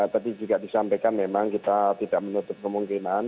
tadi juga disampaikan memang kita tidak menutup kemungkinan